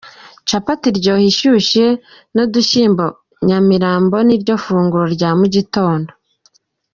Capati iryoha ishyushye nudushyimbo nyamirambo niryo funguro rya mugitondo